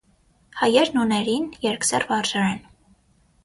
Հայերն ուներին երկսեռ վարժարան։